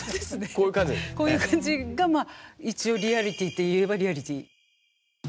こういう感じがまあ一応リアリティといえばリアリティ。